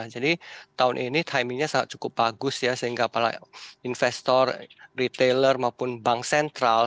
jadi tahun ini timingnya cukup bagus ya sehingga para investor retailer maupun bank sentral